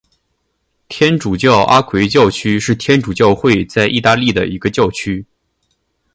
天主教阿奎教区是天主教会在义大利的一个教区。